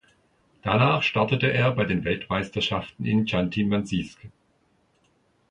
Danach startete er bei den Weltmeisterschaften in Chanty-Mansijsk.